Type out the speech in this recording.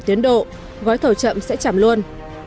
tiến độ gói thầu chậm sẽ chảm luôn